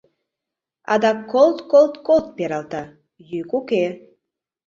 Адак колт-колт-колт пералта — йӱк уке.